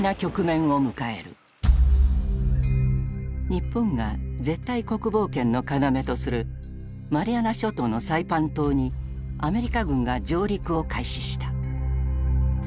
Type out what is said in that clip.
日本が絶対国防圏の要とするマリアナ諸島のサイパン島にアメリカ軍が上陸を開始した。